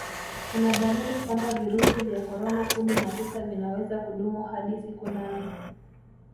kuna dalili kwamba virusi vya korona kumi na tisa vinaweza kudumu hadi siku nane